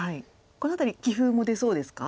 この辺り棋風も出そうですか？